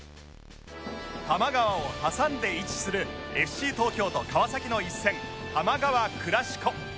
多摩川を挟んで位置する ＦＣ 東京と川崎の一戦多摩川クラシコ